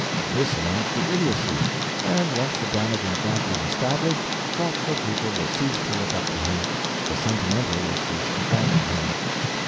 This amounts to idiocy, and once the damaging fact is established, thoughtful people will cease to look up to him, the sentimental will cease to fondle him.